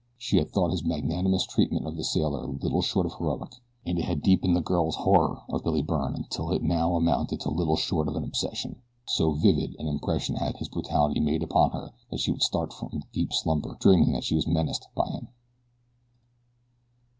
She had thought his magnanimous treatment of the sailor little short of heroic; and it had deepened the girl's horror of Billy Byrne until it now amounted to little short of an obsession. So vivid an impression had his brutality made upon her that she would start from deep slumber, dreaming that she was menaced by him.